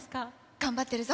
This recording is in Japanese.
頑張ってるぞ。